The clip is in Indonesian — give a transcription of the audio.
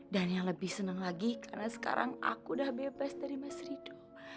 dan yang lebih senang lagi karena sekarang aku udah bebas dari mas ridho